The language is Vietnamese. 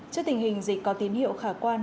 trước tình hình dịch có tín hiệu khả quan